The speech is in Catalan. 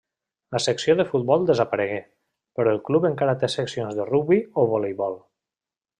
La secció de futbol desaparegué, però el club encara té seccions de rugbi o voleibol.